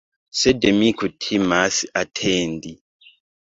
Sed mi kutimas atendi.